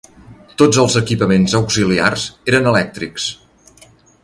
Tots els equipaments auxiliars eren elèctrics.